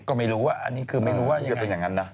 ก็ไม่รู้ว่าอันนี้คือไม่รู้ว่าจะเป็นอย่างนั้นนะ